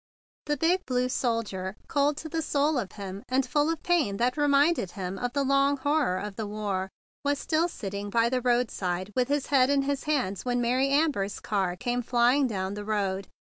The big blue soldier, cold to the soul of him, and full of pain that reminded him of the long horror of the war, was still sitting by the roadside with his head in his hands when Mary Amber's car came flying down the road.